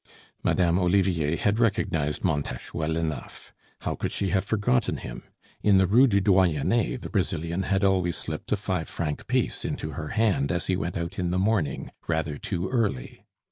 Madame Olivier had recognized Montes well enough. How could she have forgotten him? In the Rue du Doyenne the Brazilian had always slipped a five franc piece into her hand as he went out in the morning, rather too early.